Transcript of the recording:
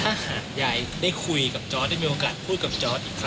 ถ้าหากยายได้คุยกับจอร์ดได้มีโอกาสพูดกับจอร์ดอีกครั้ง